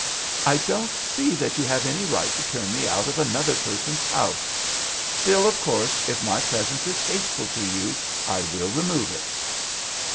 "I don't see that you have any right to turn me out of another person's house ; still, of course, if my presence is hateful to you I will remove it."